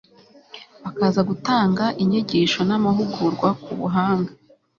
bakaza gutanga inyigisho namahugurwa ku buhanga